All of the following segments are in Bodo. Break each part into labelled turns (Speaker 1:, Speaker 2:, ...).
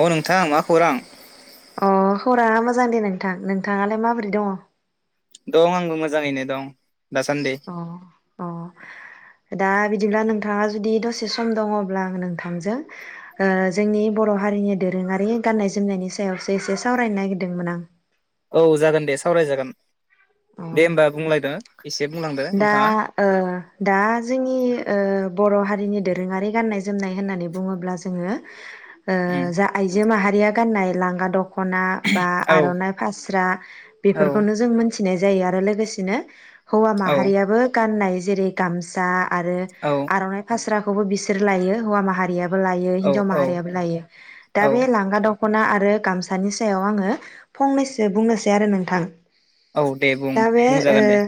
Speaker 1: अ नोंथां मा खौरां
Speaker 2: अ खौराङा मोजां दे नोंथां नोंथाङालाय माबोरै दङ
Speaker 1: दं आंबो मोजाङैनो दं दासान्दै
Speaker 2: अ अ दा बिदिब्ला नोंथाङा जुदि दसे सम दङब्ला आं नोंथांजों जोंनि बर' हारिनि दोरोङारि गाननाय जोमनायनि सायावसो एसे सावरायनो नागिरदोंमोन आं
Speaker 1: औ जागोन दे सावरायजागोन दे होमबा बुंलायदो एसे बुंलांदो
Speaker 2: दा
Speaker 1: नोंथाङा
Speaker 2: दा जोंनि बर' हारिनि दोरोङारि गाननाय जोमनाय होननानै बुङोब्ला जोङो
Speaker 1: उम
Speaker 2: जा आइजो माहारि या गाननाय लांगा दख'ना दख'ना बा
Speaker 1: औ
Speaker 2: आर'नाइ फास्रा
Speaker 1: औ
Speaker 2: बेफोरखौनो जों मोनथियो जायो आरो लोगोसेनो हौवा
Speaker 1: औ
Speaker 2: माहारियाबो गाननाय जेरै गामसा आरो
Speaker 1: औ
Speaker 2: आर'नाइ फास्राख खौबो बिसोर लायो हौवा माहारियाबो लायो
Speaker 1: औ
Speaker 2: हिनजाव
Speaker 1: औ
Speaker 2: माहारियाबो लायो
Speaker 1: औ
Speaker 2: दा बे लांगा दख दख'ना आरो गामसानि सायाव आङो फंनैसो बुंनोसै आरो नोंथां
Speaker 1: औ दे बुं
Speaker 2: दा बे ओ
Speaker 1: बुंजागोन दे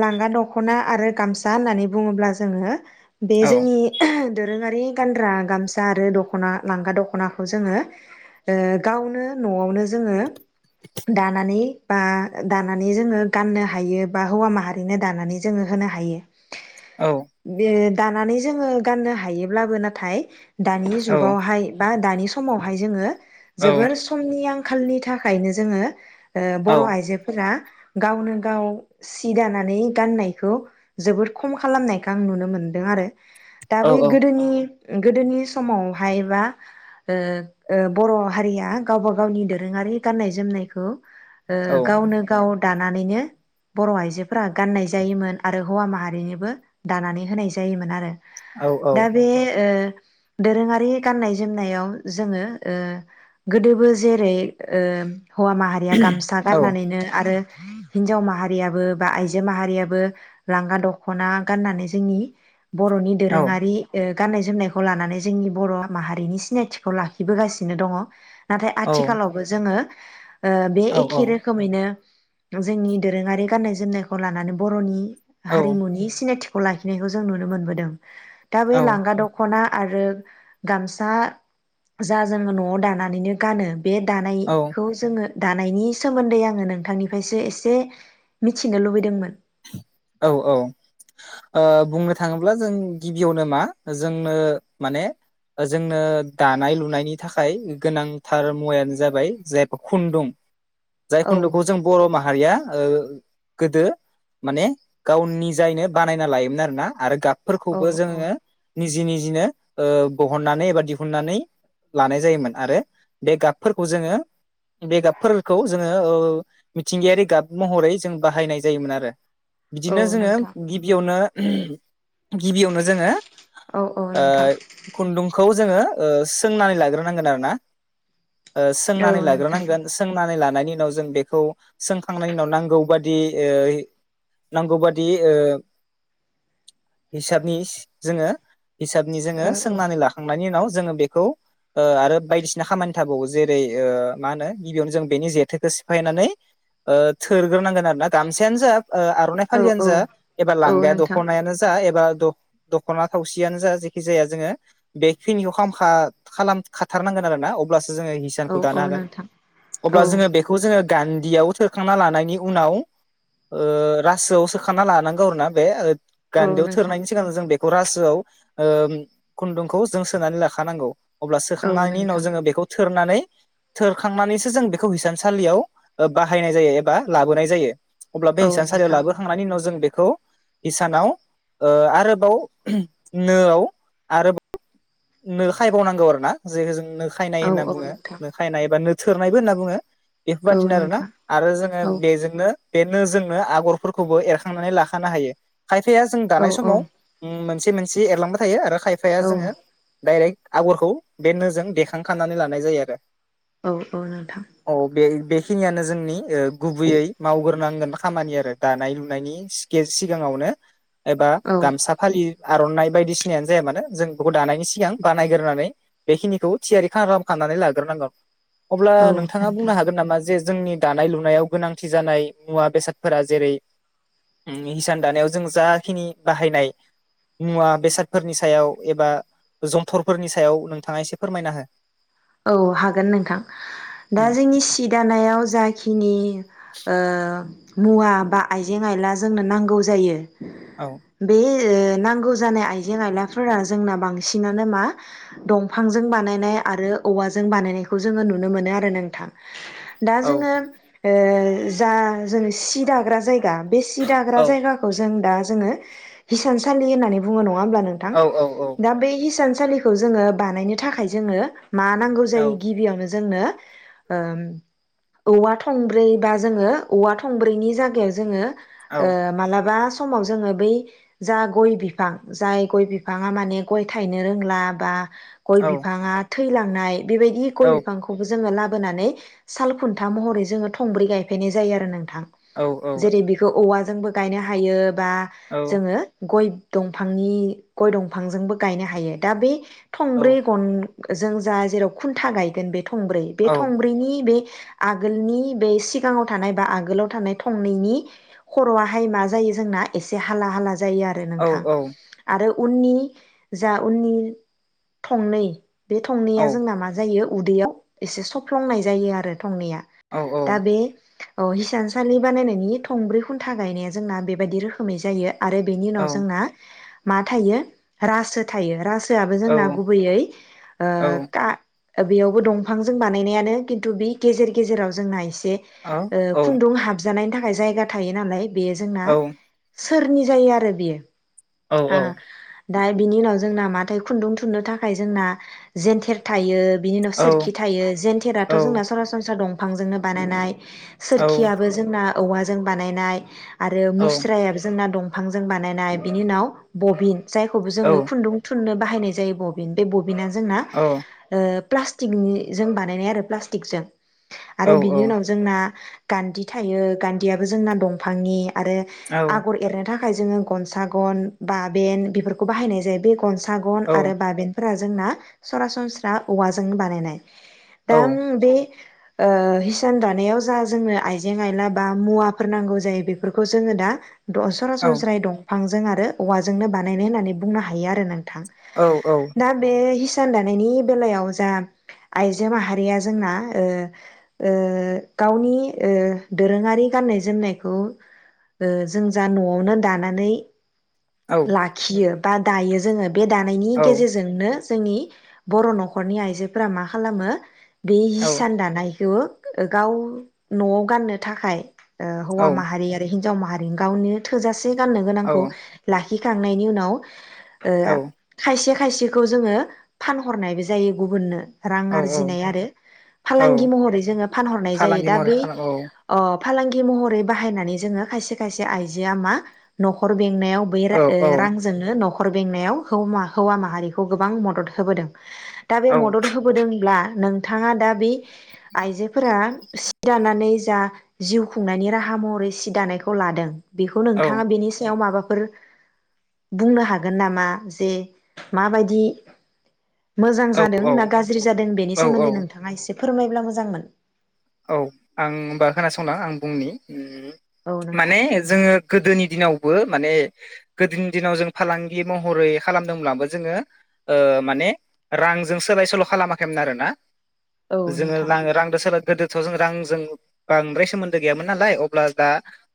Speaker 2: लांगा दख'ना आरो गामसा होननानै बुङोब्ला जोङो बे
Speaker 1: औ
Speaker 2: जोंनि दोरोङारि गानग्रा गामसा आरो दखना लांगा दखनाखौ जोङो ओ गावनो न'आवनो जोङो दानानै बा दा दानानै जोङो गाननो हायो बा हौवा माहारिनो दानानै जोङो होनो हायो
Speaker 1: औ
Speaker 2: बे दानानै जोङो गाननो हायोब्लाबो नाथाय दानि
Speaker 1: औ
Speaker 2: जुगावहाय बा दानि समावहाय जोङो
Speaker 1: औ
Speaker 2: जोबोर समनि आं खालनि थाखायनो जोङो ओ
Speaker 1: औ
Speaker 2: बर' आइजो फोरा गावनो गाव सि दानानै गाननायखौ जोबोद खम खालामनायखौ आं नुनो मोनदों आरो दा बै गोदोनि गोदोनि समावहायबा ओ ओ बर' हारिया गावबा गावनि दोरोङारि गाननाय जोमनायखौ
Speaker 1: औ
Speaker 2: ओ गावनो गाव दा नानैनो बर' आइजोफोरा गाननाय जायोमोन आरो हौवा माहारिनोबो दानानै होनाय जायोमोन आरो
Speaker 1: औ
Speaker 2: दा बे ओ दोरोङारि गाननाय जोमनायाव जोङो ओ गोदोबो जेरै ओ हौवा माहारिया गामसा गाननानैनो आ आरो हिनजाव माहारियाबो बा आइजो माहारियाबो लांगा दखना गाननानै जोंनि बर'नि दोरोङारि ओ गाननाय जोमनायखौ लानानै जोंनि बर' माहारिनि सिनायथिखौ लाखिबोगासिनो दङ नाथाय आथिखालावबो जोङो बे एखे रो खोमैनो जोंनि दोरोङारि गाननाय जोमनायखौ लानानै बर'नि हारिमुनि सिनायथि खौ लाखिनायखौ जों नुनो मोनबोदों दा बे लांगा दखना आरो गामसा जा जोङो न'आव दानानैनो गानो बे दानायखौ जोङो दानायनि सोमोन्दै आङो नोंथांनिफ्रायसो एसे मिथिनो लुबैदोंमोन
Speaker 1: औ औ ओ बुंनो थाङोब्ला जों गिबियावनो मा जोंनो माने जोंनो दानाय लुनायनि थाखाय गोनांथार मुवायानो जाबाय जे खुन्दुं जाय
Speaker 2: औ
Speaker 1: खुन्दुखौ जों बर' मा हारिया ओ गोदो माने गावनि जायनो बानायना लायोमोन आरो ना आरो गाब
Speaker 2: औ
Speaker 1: फोरखौबो
Speaker 2: औ
Speaker 1: जोङो निजि निजिनो ओ बहननानै एबा दिहुननानै लानाय जायोमोन आरो बे गाबफोरखौ जोङो बे गाबफोरखौ जोङो ओ मिथिंगायारि गाब महरै जों बाहायनाय जायोमोन आरो
Speaker 2: औ
Speaker 1: बिदिनो जोङो
Speaker 2: नोंथां
Speaker 1: गिबियावनो उम गिबियावनो जोङो
Speaker 2: औ औ
Speaker 1: आ
Speaker 2: नोंथां
Speaker 1: खुनदुंखौ जोङो ओ सोंनानै लाग्रोनांगोन आरो ना ओ
Speaker 2: औ
Speaker 1: सोंनानै
Speaker 2: नोंथां
Speaker 1: लाग्रोनांगोन सोंनानै लानाय नि उनाव जों बेखौ सोंखांनायनि उनाव नांगौ बादियै नांगौ बादि ओ हिसाबनि जोङो हिसाबनि जोङो
Speaker 2: औ
Speaker 1: सोंनानै लाखांनायनि उनाव जोङो बेखौ ओ आरो बायदिसिना खामानि थाबावो जेरै ओ मा होनो गिबियावनो जों बेनि जेथोखौ सिफायनानै ओ थोरग्रोनांगोन आरोना गामसायानो जा ओ आर'नाइ
Speaker 2: औ
Speaker 1: फालियानो
Speaker 2: औ
Speaker 1: जा एबा
Speaker 2: औ
Speaker 1: लांगा
Speaker 2: नोंथां
Speaker 1: दख'नायानो जा एबा द-द ख'ना थावसियानो जा जेखि जाया जोङो बेखिनिखौ खाम खा खालाम खाथारनांगोन आरोना अब्ला सो जोङो हिसानखौ
Speaker 2: औ
Speaker 1: दानो
Speaker 2: औ
Speaker 1: हागोन
Speaker 2: नोंथां
Speaker 1: अब्ला
Speaker 2: औ
Speaker 1: जोङो बेखौ जोङो गानदियाव थोरखांना लानायनि उनाव ओ रासोआव सोखाना लानांगौ आरोना बे
Speaker 2: औ
Speaker 1: गानदियाव
Speaker 2: नोंथां
Speaker 1: थोरनायनि सिगां जों बे खौ रासोआव ओ खुनदुंखौ जों सोनानै लाखानांगौ अब्ला
Speaker 2: औ
Speaker 1: सोखांनायनि उनाव
Speaker 2: नोंथां
Speaker 1: जोङो बेखौ थोरनानै थोरखांनानैसो जों बेखौ हिसानसालियाव ओ बाहायनाय जायो एबा लाबोनाय जायो अब्ला बे
Speaker 2: औ
Speaker 1: हिसान सालियाव
Speaker 2: नोंथां
Speaker 1: लाबोखांनायनि उनाव जों बे खौ इसानाव ओ आरोबाव नोआव आरोबाव नो खायबावनांगौ आरोना जे जों नो खायनाय
Speaker 2: औ
Speaker 1: होनना
Speaker 2: औ
Speaker 1: बुङो
Speaker 2: नोंथां
Speaker 1: नो खायनाय बा नो थोरनायबो होनना बुङो
Speaker 2: औ
Speaker 1: एफोरबादिनो आरोना
Speaker 2: नोंथां
Speaker 1: आरो जोङो
Speaker 2: औ
Speaker 1: बेजोंनो बेनो जोंनो आगरफोरखौबो एरखांनानै लाखानो हायो खायफाया जों
Speaker 2: औ
Speaker 1: दानाय
Speaker 2: औ
Speaker 1: समाव उ मोनसे से मोनसे एरलांबाय थायो आरो खायफाया
Speaker 2: औ
Speaker 1: जोङो डायरेक्ट आगरखौ बे नोजों देखांखानानै लानाय जायो आरो
Speaker 2: औ औ नोंथां
Speaker 1: औ बे बेखिनियानो जोंनि ओ गुबैयै मावग्रोनांगोन खामानि आरो दानाय लुनायनि सिखे सिगाङावनो एबा
Speaker 2: औ
Speaker 1: गामसा फालि आर'नाइ बायदिसिनायानो जाया मानो जों बेखौ दानायनि सि सिगां बानायगोरनानै बेखिनिखौ थियारि खालाम खानानै लागोरनांगौ अब्ला
Speaker 2: औ
Speaker 1: नोंथाङा
Speaker 2: नोंथां
Speaker 1: बुंनो हागोन नामा जे जोंनि दानाय लुनायाव गोनांथि जानाय मुवा बेसादफोरा जेरै हिसान दानायाव जों जाखिनि बाहायनाय मुवा बेसादफोरनि सायाव एबा जन्थरफोरनि सायाव नोंथाङा एसे फोरमायना हो
Speaker 2: औ हागोन नोंथां दा जोंनि सि दानायाव जाखिनि ओ मुवा बा आइजें आइला जोंनो नांगौ जायो बे ओ नांगौ जानाय आइजें आइलाफोरा जोंना बांसिनानो मा दंफांजों बानायनाय आरो औवाजों बानायनायखौ जोङो नुनो मोनो आरो नोंथां दा
Speaker 1: औ
Speaker 2: जोङो ओ जा जोङो सि दाग्रा जायगा दा बे सि दाग्रा जायगाखौ जों दा जोङो हिसानसालि होननानै बुङो नङा ओमब्ला नोंथां
Speaker 1: औ औ
Speaker 2: दा बै हिसान सालिखौ जोङो बानायनो थाखाय जोङो मा नांगौ
Speaker 1: औ
Speaker 2: जायो गिबियावनो जोंनो ओम औवा थंब्रै बा जोङो औवा थंब्रैनि जागायाव जोङो
Speaker 1: औ
Speaker 2: ओ मालाबा समाव जोङो बै जा गय बिफां जाय गय बिफाङा माने गय थायनो रोंला बा गय
Speaker 1: औ
Speaker 2: बिफाङा थैलांनाय बेबायदि गय
Speaker 1: औ
Speaker 2: बिफांखौबो जोङो ला बोनानै साल खुन्था महरै जोङो थंब्रै गायफैनाय जायो आरो नों थां
Speaker 1: औ
Speaker 2: जेरै बेखौ औवा जोंबो गायनो हायो बा
Speaker 1: औ
Speaker 2: जोङो गय दंफांनि गय दंफांजोंबो गायनो हायो दा बे थंब्रै गन जों जा जेराव खुन्था गायगोन बे थंब्रै बे
Speaker 1: औ
Speaker 2: थंब्रैनि बे आगोलनि बे सिगाङाव थानाय बा आगोलाव थानाय थंनैनि खर'आाहाय मा जायो जोंना एसे हाला हाला जायो आरो नोंथां आरो उननि जा उननि थंनै बे थंनैया जोंना मा जायो उदैयाव एसे सफ्लंनाय जायो आरो थंनैया
Speaker 1: औ
Speaker 2: दा बे औ हिसानसालि बानायनायनि थंब्रै खुन्था गायनाया जोंना बेबायदि रोखोमै जायो आरो बेनि उनाव जोंना मा थायो राजसो थायो रास सोआबो
Speaker 1: औ
Speaker 2: जोंना
Speaker 1: औ
Speaker 2: गुबैयै
Speaker 1: औ
Speaker 2: का बेयावबो दंफांजों बानायनायानो खिन्थु बे गेजेर गेजेराव जोंना एसे ओ
Speaker 1: औ
Speaker 2: खुन्दुं हाबजानायनि था थाखाय जायगा थायो नालाय बेयो जोंना
Speaker 1: औ
Speaker 2: सोरनि जायो आरो बियो
Speaker 1: औ
Speaker 2: आ दा बिनि उनाव जोंना माथाय खुन्दुं थुननो थाखाय जोंना जेेनथेर थायो बिनि उनाव
Speaker 1: औ
Speaker 2: सोरखि थायो
Speaker 1: औ
Speaker 2: जेेनथेराथ' जोंना सरासनस्रा दं फांजोंनो बानायनाय
Speaker 1: औ औ
Speaker 2: सोरखियाबो जोंना औवाजों बानायनाय आरो
Speaker 1: औ
Speaker 2: मुस्रायाबो जोंना दं बिफांजों बानायनाय बिनि उनाव बबिन जायखौबो जोङो खुन्दुं थुननो बाहायनाय जायो बबिन बे बबिना जोंना
Speaker 1: औ
Speaker 2: ओ प्लास्टिकनि जों बानायनाय आरो प्लास्टिकजों आरो बिनि उनाव जोंना गान्दि थायो गान्दियाबो जोंना दंफांनि आरो आगर एरनो था थाखाय जोङो गनसा गन बाबेन बेफोरखौ बाहायनाय जायो बे गनसा सागन आरो बाबेनफोरा जोंना सरासनस्रा औवाजोंनो बानायनाय दा बे ओ हिसान दानायाव जा जोंनो आइजें आइला बा मुवाफोर नांगौ जायो बेफोरखौ जोङो दा द' सरासनस्रायै दं फांजों आरो औवाजोंनो बानायनाय होननानै बुंनो हायो आरो नों थां दा बे हिसा हिसान दानायनि बेलायाव जा आइजो माहारिया जोंना ओ ओ गावनि ओ दोरोङारि गान्नाय जोमनायखौ ओ जों जा न'आवनो दानानै लाखियो बा दायो जोङो बे दानायनि गेजेरजोंनो जोंनि बर' नखरनि आइजोफोरा मा खालामो बे हिसान दानाय थेवबो गाव न'आव गाननो थाखाय ओ हौवा माहारि आरो हि हिन्जाव माहारि गावनो थोजासे से गाननो गोनांखौ खिखांनायनि उनाव
Speaker 1: औ
Speaker 2: ओ खायसे खायसेखौ जोङो फानहरनायबो जायो गुबुननो रां आरजिनाय आरो
Speaker 1: औ
Speaker 2: फालांगि महरै जोङो फानहरनाय जायो
Speaker 1: फालांगि
Speaker 2: दा
Speaker 1: महरै
Speaker 2: बे
Speaker 1: खालाम औ
Speaker 2: अ फालांगि महरै बाहायनानै जोङो खायसे खायसे आइजोआ मा नखर बेंनायाव बै
Speaker 1: औ
Speaker 2: रा ओ
Speaker 1: औ
Speaker 2: रांजोंनो नख बेंनायाव हौवा माहारिखौ गोबां मदद होबोदों दा बे
Speaker 1: औ
Speaker 2: मदद होबोदोंब्ला नों थाङा दाबि आइजोफोरा सि दानानै जा जिउ खुंनायनि राहा महरै सि दानायखौ लादों बेखौ
Speaker 1: औ
Speaker 2: नोंथाङा बेनि सायाव माबा फोर बुंनो हागोन नामा जे माबायदि मोजां जादों
Speaker 1: औ
Speaker 2: ना गाज्रि जादों बेनि
Speaker 1: औ
Speaker 2: सोमोन्दै नोंथाङा एसे फोरमायब्ला मोजांमोन
Speaker 1: औ आं होमबा खोनासंना आं बुंनि
Speaker 2: औ नोंथां
Speaker 1: माने जोङो गोदोनि दिनावबो माने गोदोनि दिनाव जों फालांगि महरै खालामदोंब्लाबो जोङो माने रांजों सोलाय सोल खालामाखैमोन आरोना
Speaker 2: औ
Speaker 1: जोङो
Speaker 2: नोंथां
Speaker 1: लां रांदो सोला गोदोथ' जों रांजों बांद्राय सोमोन्दो गैयामोन नालाय अब्ला दा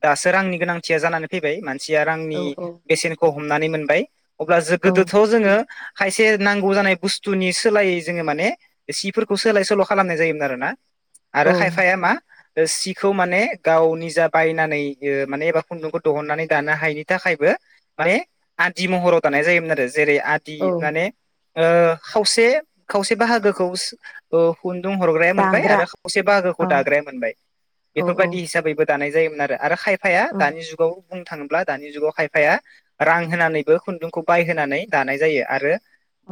Speaker 1: दासो रांनि गोनांथिया जानानै फैबाय मान सिया रांनि
Speaker 2: औ औ
Speaker 1: बेसेनख हमनानै मोनबाय अब्ला जो
Speaker 2: औ
Speaker 1: गोदोथ' जोङो खायसे नांगौ जानाय बुस्थुनि सोलायै जोङो माने सिफोरखौ सोलाय सोल' खालामनाय जायोमोन आरोना आरो
Speaker 2: औ
Speaker 1: खायफाया मा ओ सिखौ माने गाव निजा बायनानै ओ माने एबा खन्दुंखौ दहुननानै दानो हायिनि थाखायबो माने आदि महराव दानाय जायोमोन आरो जेरै आदि
Speaker 2: औ
Speaker 1: माने ओ खावसे खावसे बाहागोखौ ओ खुन्दुं हरग्राया मोनबाय
Speaker 2: दाग्रा
Speaker 1: आरो खावसे बाहागोखौ
Speaker 2: औ
Speaker 1: दाग्राया मोनबाय
Speaker 2: औ औ
Speaker 1: बेफोरबायदि हिसाबैबो दानाय जायो मोन आरो आरो खाय फाया
Speaker 2: औ
Speaker 1: दानि जुगाव बुं थाङोब्ला दानि जुगाव खायफाया रां होनानैबो खुन्दुंखौ बायहोनानै दानाय जायो आरो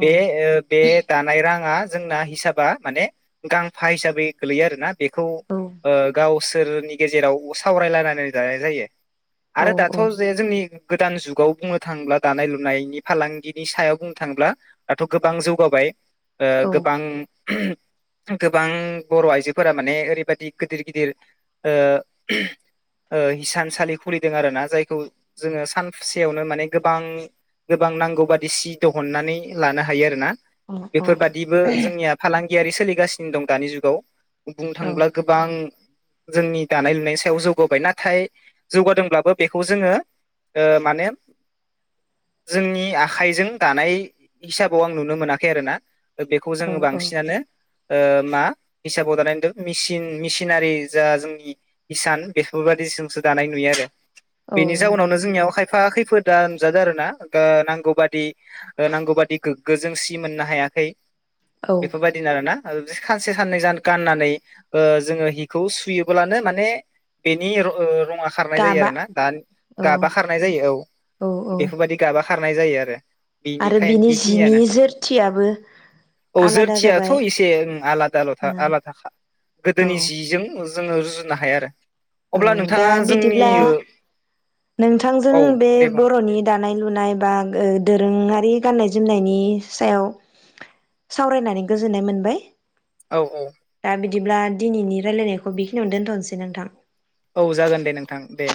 Speaker 2: औ
Speaker 1: ओ बे दानाय राङा जोंना हिसाबा माने गांफा हिसाबै गोलैयो आरो ना बेखौ
Speaker 2: औ
Speaker 1: ओ गाव सोरनि गेजेराव सावरायलायनानै जानाय जायो
Speaker 2: औ
Speaker 1: आरो दाथ' जे जोंनि गोदान जुगाव बुंनो थाङोब्ला दानाय लुनायनि फालांगिनि सायाव बुंनो थाङोब्ला दाथ' गोबां जौगाबाय ओ गोबां गोबां बर' आइजोफोरा माने ओरैबायदि गोदिर गिदिर ओ ओ हिसानसालि खुलिदों आरो ना जायखौ जोङो सानसेयावनो माने गोबां गोबां नांगौ बादि सि दहननानै लानो हायो आरोना बेफोरबादिबो जोंनिया फालां गियारि सोलिगासिनो दं दानि जुगाव बुंनो
Speaker 2: औ
Speaker 1: थांब्ला गोबां जोंनि दानाय लुनायनि सायाव जौगाबाय नाथाय जौगादोंब्लाबो बेखौ जोङो ओ माने जोंनि आखाइजों दानाय हिसाबाव आं नुनो मोनाखै आरो ना ओबेखौ
Speaker 2: औ
Speaker 1: जोङो बांसिनानो ओ मा हिसाबाव दानाय नुदों मिसिन मिसिनारि जा जोंनि हिसान बेफोरबायदि जोंसो दानाय नुयो आरो
Speaker 2: औ
Speaker 1: बेनि जाउनावनो
Speaker 2: नोंथां
Speaker 1: जोंनियाव खाय फा खैफोदा नुजादों आरो ना ओ नांगौ बादि नांगौ बादि गोग्गो जों सि मोननो हायाखै
Speaker 2: औ
Speaker 1: बेफोरबादिनो आरोना आरो बि सानसे साननै जानो गाननानै ओ जोङो हिखौ सुयोबानो माने बेनि ओ रं आ खारनाय जायो
Speaker 2: गाबा
Speaker 1: आरो ना
Speaker 2: औ
Speaker 1: गाबा खारनाय जायो औ बेफोरबायदि गाबा खारनाय जायो आरो
Speaker 2: आरो
Speaker 1: बेनिखाय
Speaker 2: बिनि जिनि
Speaker 1: -बेखिनियानो
Speaker 2: जोरथियाबो
Speaker 1: औ
Speaker 2: आलादा
Speaker 1: जोरथियाथ'
Speaker 2: जाबाय
Speaker 1: एसे आलादा आलादा
Speaker 2: औ
Speaker 1: आलादाखा गोदोनि जिजों जोङो रुजुनो हाया आरो
Speaker 2: औ
Speaker 1: अब्ला
Speaker 2: दा
Speaker 1: नोंथाङा जोंनि
Speaker 2: बिदिब्ला नोंथांजों
Speaker 1: औ
Speaker 2: बे
Speaker 1: दे बुं
Speaker 2: बर'नि दानाय लुनाय बा दोरोङारि गाननाय जोमनायनि सायाव सावरायनानै गोजोननाय मोनबाय
Speaker 1: औ औ
Speaker 2: दा बिदिब्ला दिनैनि रायलायनायखौ बेखिनियावनो दोन्थ'नोसै नोंथां
Speaker 1: औ जागोन दे नोंथां दे